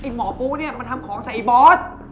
อายะหมอปุ๊เนี่ยมันทำของกับไอบอส